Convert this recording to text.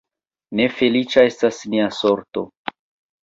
Ne feliĉa estas nia sorto!